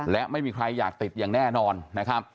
และไม่มีใครอยากติดอย่างแน่นอนนะครับ